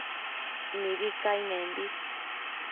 mibi cainenbi